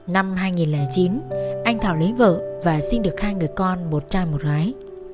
năm hai nghìn chín anh thọ lấy vợ và sinh được hai người con một trai một gái